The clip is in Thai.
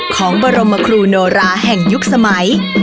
ของบรมครูโนราแห่งยุคสมัย